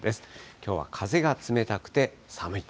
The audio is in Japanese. きょうは風が冷たくて寒い。